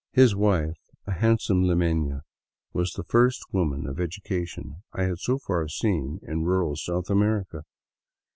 His wife, a handsome limeiia, was the first woman of education I had so far seen in rural South America.